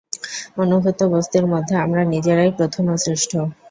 অনুভূত বস্তুর মধ্যে আমরা নিজেরাই প্রথম ও শ্রেষ্ঠ।